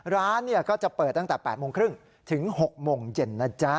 ร้านก็จะเปิดตั้งแต่๘โมงครึ่งถึง๖โมงเย็นนะจ๊ะ